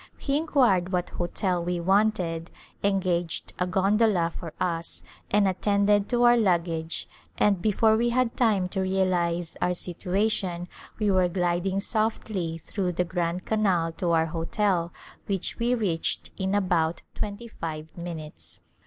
He inquired what hotel we wanted, engaged a gondola for us and attended to our luggage and before we had time to realize our situa tion we were gliding softly through the Grand Canal to our hotel which we reached in about twenty five minutes.